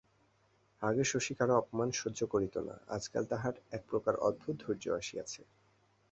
আগে শশী কারো অপমান সহ্য করিত না, আজকাল তাহার একপ্রকার অদ্ভুত ধৈর্য আসিয়াছে।